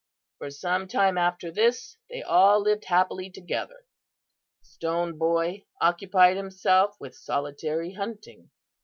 "For some time after this they all lived happily together. Stone Boy occupied himself with solitary hunting.